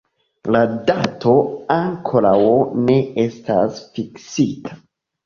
La dato ankoraŭ ne estas fiksita.